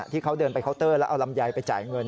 ที่เขาเดินไปเคาน์เตอร์แล้วเอาลำไยไปจ่ายเงิน